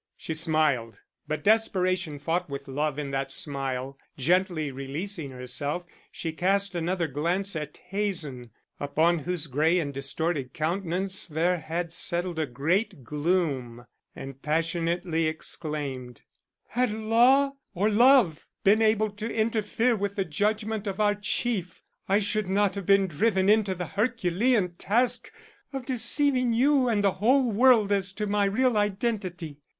She smiled; but desperation fought with love in that smile. Gently releasing herself, she cast another glance at Hazen, upon whose gray and distorted countenance there had settled a great gloom, and passionately exclaimed: "Had law or love been able to interfere with the judgment of our Chief, I should not have been driven into the herculean task of deceiving you and the whole world as to my real identity."